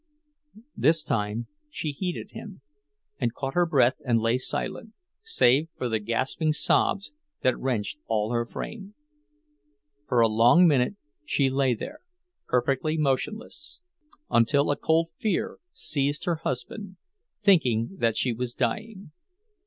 This time she heeded him, and caught her breath and lay silent, save for the gasping sobs that wrenched all her frame. For a long minute she lay there, perfectly motionless, until a cold fear seized her husband, thinking that she was dying.